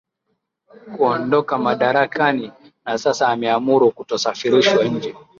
kuondoka madarakani na sasa ameamuru kutosafirishwa nje